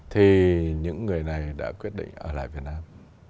thì những người này đã quyết định ở lại việt nam